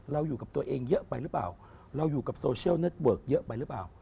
อยู่กับตัวเองเยอะไปหรือเปล่าเราอยู่กับโซเชียลเน็ตเวิร์กเยอะไปหรือเปล่า